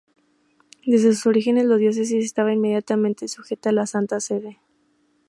Desde sus orígenes la diócesis estaba inmediatamente sujeta a la Santa Sede.